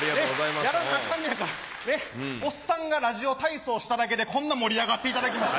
やらなあかんねやからおっさんがラジオ体操しただけでこんな盛り上がっていただきまして。